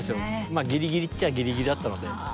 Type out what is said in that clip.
ギリギリっちゃギリギリだったので。